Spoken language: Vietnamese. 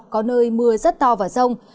có nơi mưa rất to và rông